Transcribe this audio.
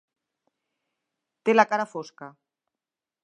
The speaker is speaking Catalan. Té la cara fosca.